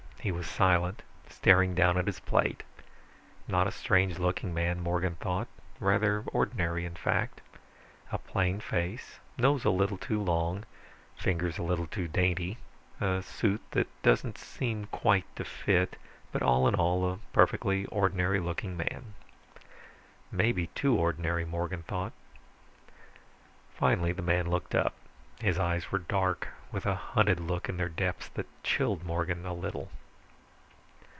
He was silent, staring down at his plate. Not a strange looking man, Morgan thought. Rather ordinary, in fact. A plain face, nose a little too long, fingers a little too dainty, a suit that doesn't quite seem to fit, but all in all, a perfectly ordinary looking man. Maybe too ordinary, Morgan thought. Finally the man looked up. His eyes were dark, with a hunted look in their depths that chilled Morgan a little.